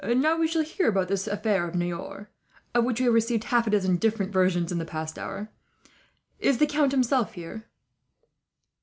"Now we shall hear about this affair of Niort, of which we have received half a dozen different versions, in the last hour. Is the count himself here?"